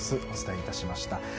お伝えいたしました。